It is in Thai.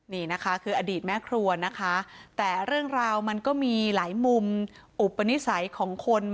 นี่นะคะคืออดีตแม่ครัวนะคะแต่เรื่องราวมันก็มีหลายมุมอุปนิสัยของคน